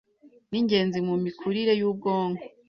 n'ingenzi mu mikurire y'ubwonko